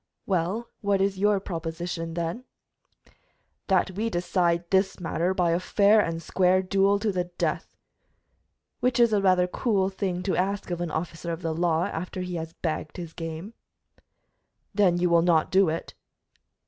"Well, what is your proposition, then?" "That we decide this matter by a fair and square duel to the death." "Which is a rather cool thing to ask of an officer of the law, after he has bagged his game." "Then you will not do it?"